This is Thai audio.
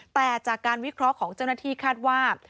แต่จากการวิเคราะห์ของเจ้าหน้าที่คาดว่า